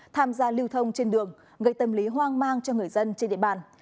tham gia lưu thông trên đường gây tâm lý hoang mang cho người dân trên địa bàn